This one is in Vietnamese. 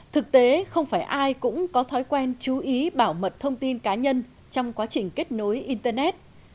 thực tế không phải ai cũng có thói quen chú ý bảo mật thông tin cá nhân trong quá trình kết nối internet